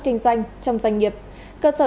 kinh doanh trong doanh nghiệp cơ sở